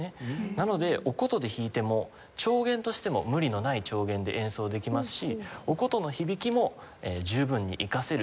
なのでお箏で弾いても調弦としても無理のない調弦で演奏できますしお箏の響きも十分に生かせるそんな曲になってます。